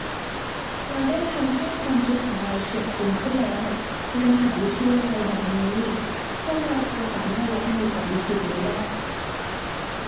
เราได้ทำให้ความคิดของเราเฉียบคมขึ้นแล้วในมหาวิทยาลัยดังนั้นพวกเราจะสามารถรับมือกับวิกฤตินี้ได้